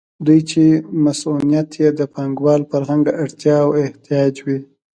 دوی چې مصونیت یې د پانګوال فرهنګ اړتیا او احتیاج وي.